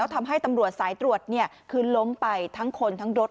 ทำให้ตำรวจสายตรวจคือล้มไปทั้งคนทั้งรถ